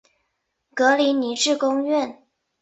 格林尼治宫苑。